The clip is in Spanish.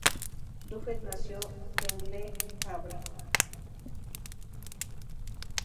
Dubuffet nació en Le Havre.